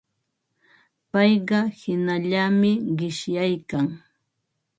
Payqa hinallami qishyaykan.